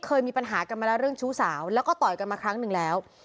เคยมีปัญหากันมาแล้วเรื่องชู้สาวแล้วก็ต่อยกันมาครั้งหนึ่งแล้ว